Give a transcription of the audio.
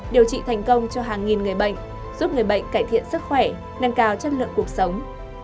điều trị thành công cho hàng nghìn người bệnh giúp người bệnh cải thiện sức khỏe nâng cao chất lượng cuộc sống